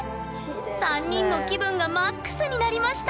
３人の気分がＭＡＸになりました！